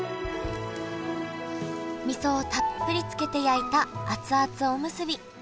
みそをたっぷりつけて焼いた熱々おむすび。